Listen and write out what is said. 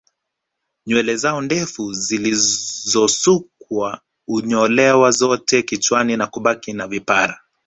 Nywele zao ndefu zilizosukwa hunyolewa zote kichani na kubaki na vipara